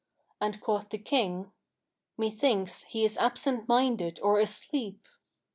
and quoth the King, 'Methinks he is absent minded or asleep.'